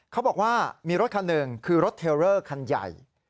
เขาบอกว่ามีรถคันหนึ่งคือรถเทลเลอร์คันใหญ่